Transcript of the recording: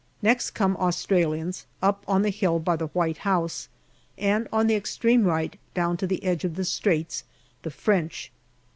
Next come Australians, up on the hill by the White House ; and on the extreme right down to the edge of the Straits, the French.